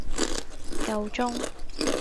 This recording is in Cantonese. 夠鐘